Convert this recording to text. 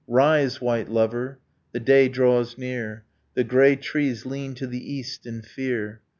Rise, white lover! the day draws near. The grey trees lean to the east in fear.